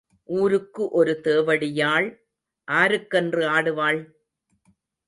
ஊருக்கு ஒரு தேவடியாள் ஆருக்கென்று ஆடுவாள்?